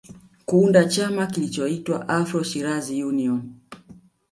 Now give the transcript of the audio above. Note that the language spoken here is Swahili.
Kuunda chama kilichoitwa Afro Shirazi Union